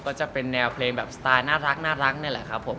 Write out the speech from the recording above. ก็จะเป็นแนวเพลงแบบสไตล์น่ารักนี่แหละครับผม